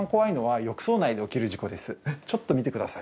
ちょっと見てください